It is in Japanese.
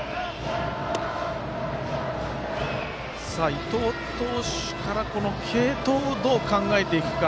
伊藤投手から継投をどう考えていくか。